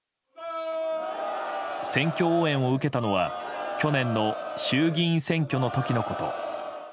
選挙応援を受けたのは去年の衆議院選挙の時のこと。